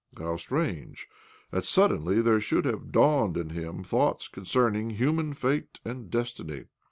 How strange that suddenly there should have dawned in him thoughts con cerning human fate and destiny